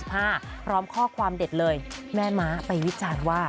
พร้อมข้อความเด็ดเลยแม่ม้าไปวิจารณ์ว่า